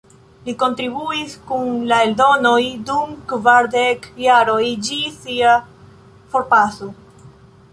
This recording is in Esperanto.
Li kontribuis kun la eldonoj dum kvardek jaroj, ĝis sia forpaso.